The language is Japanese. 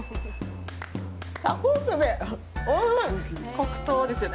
黒糖ですよね。